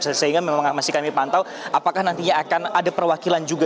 sehingga memang masih kami pantau apakah nantinya akan ada perwakilan juga